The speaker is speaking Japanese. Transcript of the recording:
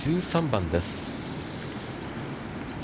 １３番です。